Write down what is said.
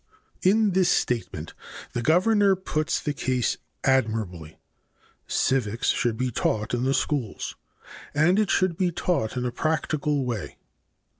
In this statement the governor puts the case admirably. Civics should be taught in the schools, and it should be taught in a practical way.